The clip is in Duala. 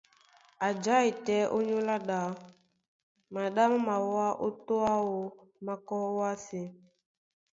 A jái tɛ́ ónyólá ɗá, maɗá má mawá ó tô áō, má kɔ́ ówásē.